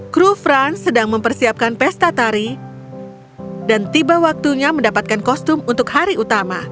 kru frun sedang mempersiapkan pesta tari dan tiba waktunya mendapatkan kostum untuk hari utama